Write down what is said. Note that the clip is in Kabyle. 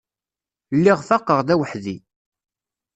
Lliɣ faqeɣ d aweḥdi.